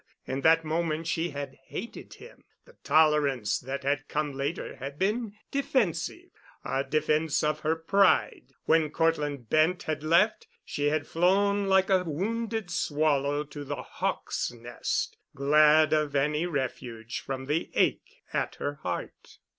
In that moment she had hated him. The tolerance that had come later had been defensive—a defense of her pride. When Cortland Bent had left, she had flown like a wounded swallow to the hawk's nest, glad of any refuge from the ache at her heart.